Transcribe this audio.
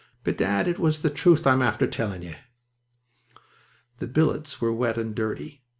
Bedad, and it's the truth I'm after tellin' ye." The billets were wet and dirty.